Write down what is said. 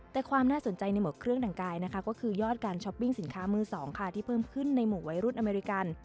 แต่ความน่าสนใจในหมวกเครื่องดังกายนะคะก็คือยอดการช้อปปิ้งสินค้ามือสองค่ะที่เพิ่มขึ้นในหมู่วัยรุ่นอเมริกัน